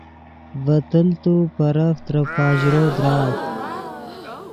ڤے تیلت و پیرف ترے پاژرو درآت